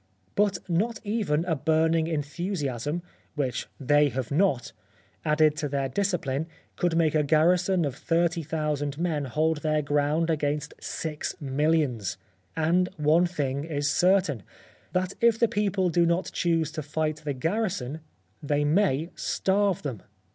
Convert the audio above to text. But not even a burning enthusiasm — which they have not — added to their discipline, could make a garrison of 30,000 men hold their ground against six millions. And one thing is certain — that if the people do not choose to fight the garrison, they may starve them.